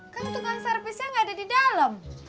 kan tukang servisnya nggak ada di dalam